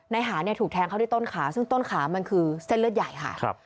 หาเนี่ยถูกแทงเข้าที่ต้นขาซึ่งต้นขามันคือเส้นเลือดใหญ่ค่ะ